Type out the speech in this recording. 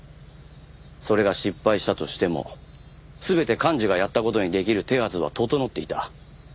それが失敗したとしても全て寛二がやった事にできる手はずは整っていた。